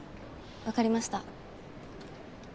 わかりました。